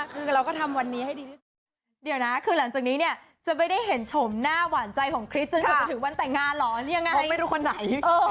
คือเราก็ทำวันนี้ให้ดี